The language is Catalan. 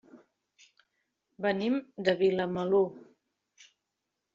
Venim de Vilamalur.